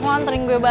kau mau pergi ke mana